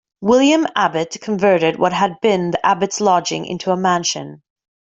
William Abbot converted what had been the Abbot's Lodging into a mansion.